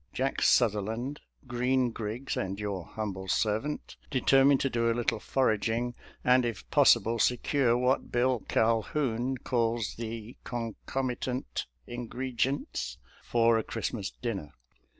Jack Sutherland, Green Griggs, and your humble servant deter mined to do a little foraging, and if possible se cure what Bill Calhoun calls the " concomitant ingregents " for a Christmas dinner.